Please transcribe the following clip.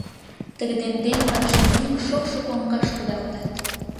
Тыгыдемден падыштымек, шокшо коҥгаш кудалтат.